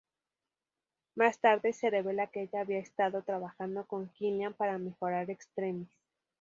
Más tarde, se revela que ella había estado trabajando con Killian para mejorar Extremis.